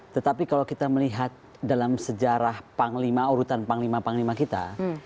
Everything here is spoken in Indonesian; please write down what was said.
tetapi kalau kita melihat dalam sejarah panglima urutan panglima panglima kita